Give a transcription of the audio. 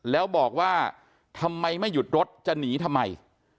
แล้วบอกว่าทำไมไม่หยุดรถจะหนีทำไม